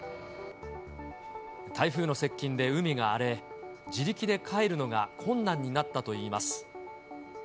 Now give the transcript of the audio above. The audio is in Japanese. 台風の接近で海が荒れ、自力で帰るのが困難になったといいます。